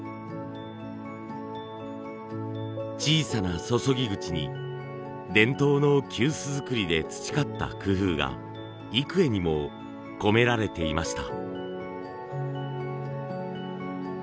小さな注ぎ口に伝統の急須作りで培った工夫が幾重にも込められていました。